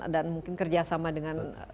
dan mungkin kerjasama dengan